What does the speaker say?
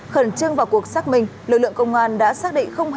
khẩn trương vào cuộc xác minh lực lượng công an đã xác định không hề có